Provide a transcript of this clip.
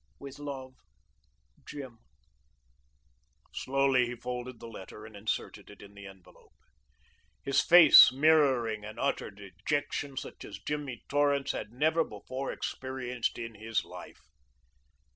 With love, Jim Slowly he folded the letter and inserted it in the envelope, his face mirroring an utter dejection such as Jimmy Torrance had never before experienced in his life.